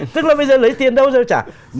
tức là bây giờ lấy tiền đâu cho trả